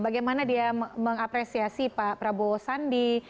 bagaimana dia mengapresiasi pak prabowo sandi